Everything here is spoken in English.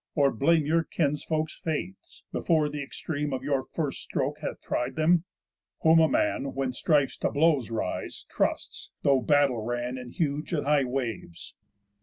Or blame your kinsfolk's faiths, before th' extreme Of your first stroke hath tried them, whom a man, When strifes to blows rise, trusts, though battle ran In huge and high waves?